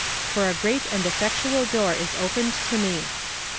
For a great and effectual door is ojyened to me.